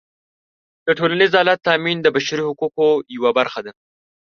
د ټولنیز عدالت تأمین د بشري حقونو یوه برخه ده.